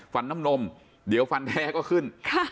น้ำนมเดี๋ยวฟันแท้ก็ขึ้น